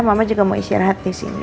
mama juga mau istirahat disini